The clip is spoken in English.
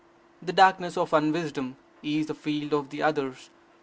The darkness of unwisdom is the field of the others.